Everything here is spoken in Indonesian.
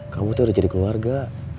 kamu tuh udah jadi keluarga